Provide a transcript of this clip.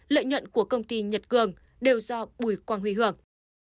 lợi nhuận của công ty nhật cường đều do bùi quang huy hưởng